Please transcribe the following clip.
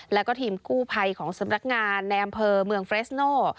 แล้วก็ทีมกู้ภัยของสำนักงานในอำเภอเมืองเฟรสโน่